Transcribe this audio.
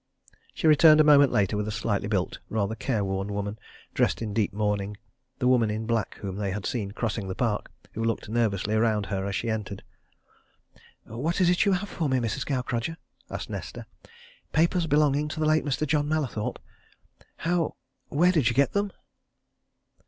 She returned a moment later with a slightly built, rather careworn woman dressed in deep mourning the woman in black whom they had seen crossing the park who looked nervously round her as she entered. "What is it you have for me, Mrs. Gaukrodger?" asked Nesta. "Papers belonging to the late Mr. John Mallathorpe? How where did you get them?"